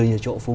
như chỗ phục vụ